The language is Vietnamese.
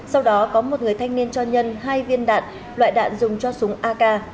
sau đó có một người thanh niên cho nhân hai viên đạn loại đạn dùng cho súng ak